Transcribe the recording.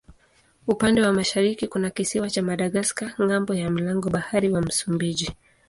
Upande wa mashariki kuna kisiwa cha Madagaska ng'ambo ya mlango bahari wa Msumbiji.